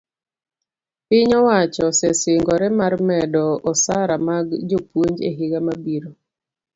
piny owacho osesingore mar medo osara mag jopuonj e higa mabiro